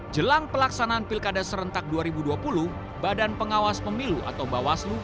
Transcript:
jelang pelaksanaan pilkada serentak dua ribu dua puluh badan pengawas pemilu atau bawaslu